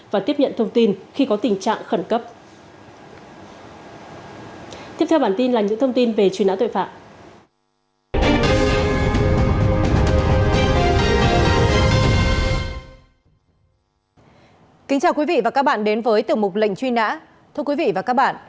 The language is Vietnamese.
và tiếp nhận thông tin khi có tình trạng khẩn cấp